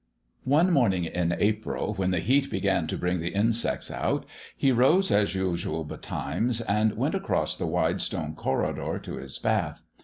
One morning in April, when the heat began to bring the insects out, he rose as usual betimes and went across the wide stone corridor to his bath.